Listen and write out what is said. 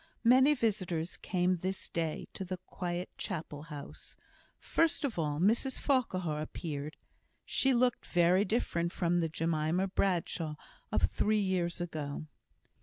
Many visitors came this day to the quiet Chapel house. First of all Mrs Farquhar appeared. She looked very different from the Jemima Bradshaw of three years ago.